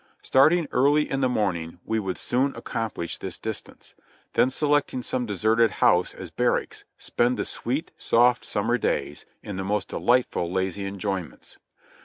Starting early in the morning we would soon accom plish the distance ; then selecting some deserted house as bar racks, spend the sweet, soft summer days in the most delightful, lazy enjoyments.